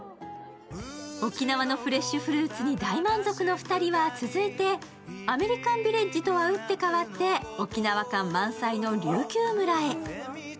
沖縄のフレッシュフルーツに大満足の２人は続いてアメリカンビレッジとは打って変わって沖縄感満載の琉球村へ。